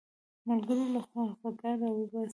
ملګری له خفګانه راوباسي